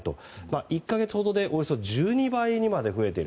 １か月ほどでおよそ１２倍にまで増えている。